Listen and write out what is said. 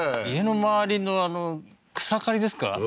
家の周りの草刈りですか？